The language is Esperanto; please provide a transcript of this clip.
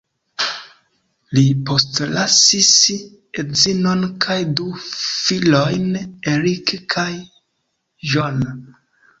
Li postlasis edzinon kaj du filojn, Erik kaj John.